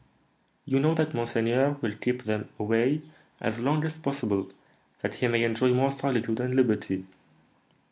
"You know that monseigneur will keep them away as long as possible, that he may enjoy more solitude and liberty.